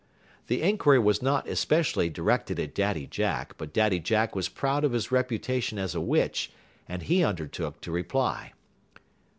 The inquiry was not especially directed at Daddy Jack, but Daddy Jack was proud of his reputation as a witch, and he undertook to reply.